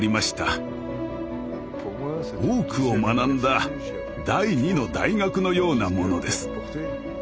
多くを学んだ第二の大学のようなものです。